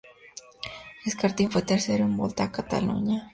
Escartín fue tercero en la Volta a Cataluña.